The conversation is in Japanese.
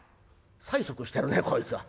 「催促してるねこいつは。